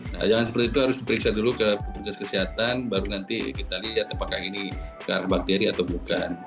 nah jangan seperti itu harus diperiksa dulu ke petugas kesehatan baru nanti kita lihat apakah ini karena bakteri atau bukan